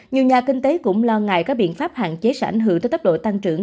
nhiều nhà kinh tế cũng lo ngại các biện pháp hạn chế sẽ ảnh hưởng tới tốc độ tăng trưởng